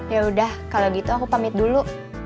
yaudah kalau gitu aku pamit dulu